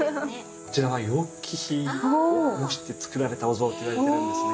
こちらは楊貴妃を模してつくられたお像っていわれてるんですね。